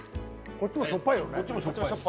・こっちもしょっぱい。